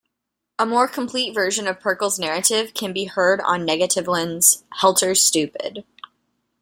A more complete version of Pirkle's narrative can be heard on Negativland's "Helter Stupid".